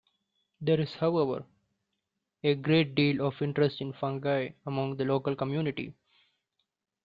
There is however, a great deal of interest in fungi among the local community.